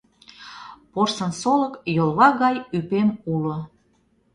Порсын солык йолва гай ӱпем уло